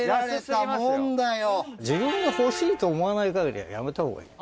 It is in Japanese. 自分が欲しいと思わない限りやめたほうがいい。